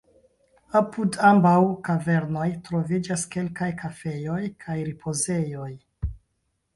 Apud ambaŭ kavernoj troviĝas kelkaj kafejoj kaj ripozejoj.